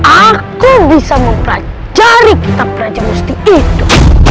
aku bisa memperjari kitab raja musti itu